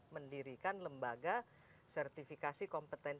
mendirikan lembaga sertifikasi kompetensi